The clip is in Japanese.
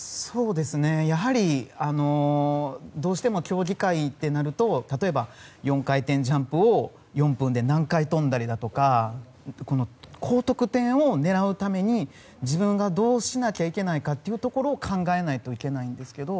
やはり、どうしても競技会ってなると例えば４回転ジャンプを４分で何回跳んだりとか高得点を狙うために自分がどうしなきゃいけないかというところを考えないといけないんですけど。